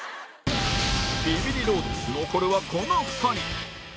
ビビリロード残るはこの２人